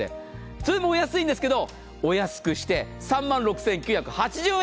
ずいぶんお安いんですけど、お安くして３万６９８０円。